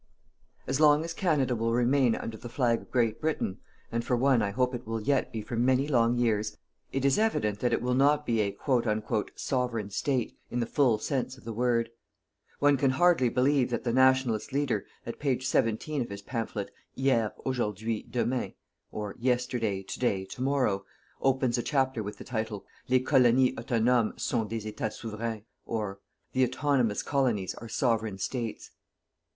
As long as Canada will remain under the flag of Great Britain and for one I hope it will yet be for many long years, it is evident that it will not be a "Sovereign State" in the full sense of the word. One can hardly believe that the Nationalist leader, at page 17 of his pamphlet "Hier, Aujourd'hui, Demain" "Yesterday, To day, To morrow," opens a chapter with the title: "Les Colonies autonomes sont des Etats Souverains." "_The autonomous colonies are Sovereign States.